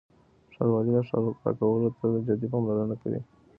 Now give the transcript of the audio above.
ښاروالۍ د ښار پاکوالي ته جدي پاملرنه کوي.